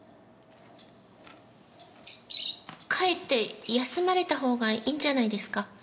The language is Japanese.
帰って休まれたほうがいいんじゃないですか？